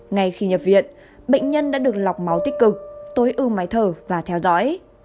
ngay khi nhập viện bệnh nhân đã được lọc máu tích cực tối ưu máy thở và theo dõi